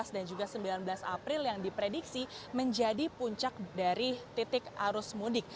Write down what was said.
dua belas dan juga sembilan belas april yang diprediksi menjadi puncak dari titik arus mudik